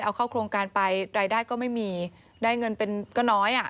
เอาเข้าโครงการไปรายได้ก็ไม่มีได้เงินเป็นก็น้อยอ่ะ